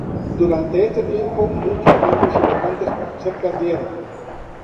Durante este tiempo muchos miembros y votantes se perdieron.